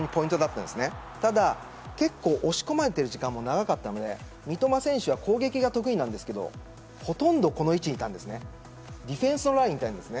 ただ、押し込まれている時間も長かったので三笘選手は攻撃が得意なんですがほとんどディフェンスのラインにいたんです。